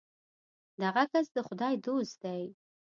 دغه کس د خدای دوست دی.